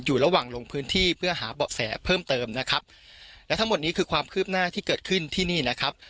อยู่ระหว่างลงพื้นที่เพื่อหาเบาะแสเพิ่มเติมนะครับและทั้งหมดนี้คือความคืบหน้าที่เกิดขึ้นที่นี่นะครับ